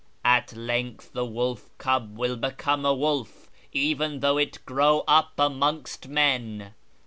' At leugtli the wolf cub will become a wolf, Even though it grow up amongst men.'